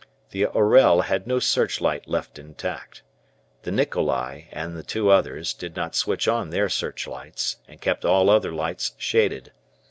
The "Orel" had no searchlight left intact. The "Nikolai" and the two others did not switch on their searchlights, and kept all other lights shaded.